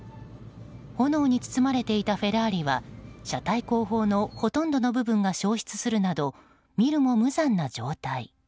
炎に包まれていたフェラーリは車体後方のほとんどの部分が焼失するなど見るも無残な状態。